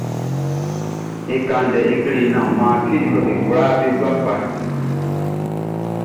É kán ndɛ é klé i naan ɔ man fie difuɛʼm be kwlaa be gua kpa.